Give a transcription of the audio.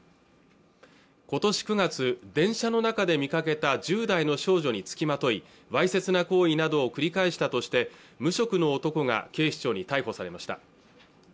今年９月電車の中で見かけた１０代の少女につきまといわいせつな行為などを繰り返したとして無職の男が警視庁に逮捕されました